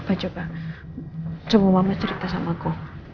apa coba coba mama cerita sama aku